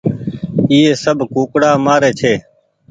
ايئي سب ڪوُڪڙآ مآري ڇي